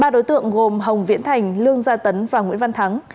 ba đối tượng gồm hồng viễn thành lương gia tấn và nguyễn văn thắng